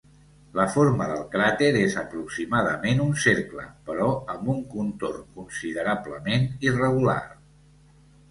La forma del cràter és aproximadament un cercle, però amb un contorn considerablement irregular.